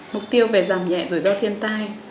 mục tiêu về giảm nhẹ rủi ro thiên tai